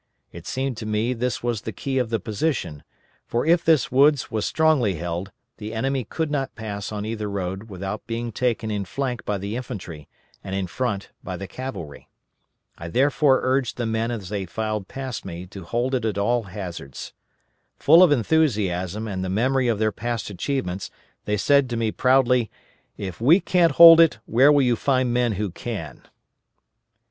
It seemed to me this was the key of the position, for if this woods was strongly held, the enemy could not pass on either road without being taken in flank by the infantry, and in front by the cavalry. I therefore urged the men as they filed past me to hold it at all hazards. Full of enthusiasm and the memory of their past achievements they said to me proudly, _"If we can't hold it, where will you find men who can?"